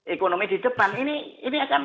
ekonomi di depan ini akan